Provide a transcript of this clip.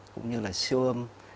cũng như là siêu ơn sớm